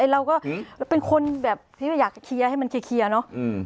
เราก็เป็นคนแบบที่อยากเคลียร์ให้มันเคลียร์เนอะ